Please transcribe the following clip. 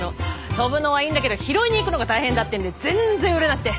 飛ぶのはいいんだけど拾いに行くのが大変だってんで全然売れなくて。